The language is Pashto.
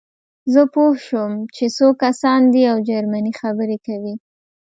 زه پوه شوم چې څو کسان دي او جرمني خبرې کوي